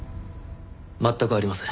全くありません。